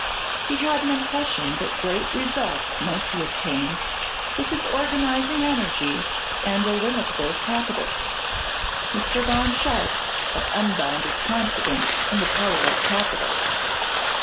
He had an impression that great results might be obtained with his organising energy and illimitable capital. Mr. Bond Sharpe had unbounded confidence in the power of capital.